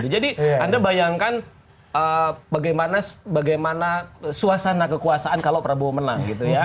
jadi anda bayangkan bagaimana suasana kekuasaan kalau prabowo menang gitu ya